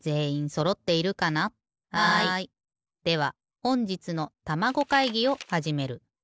ではほんじつのたまご会議をはじめる。